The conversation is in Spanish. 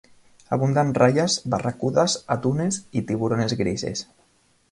Abundan rayas, barracudas, atunes y tiburones grises.